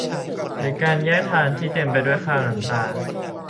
หรือการแยกทางที่เต็มไปด้วยคราบน้ำตา